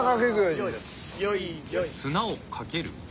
綱をかける？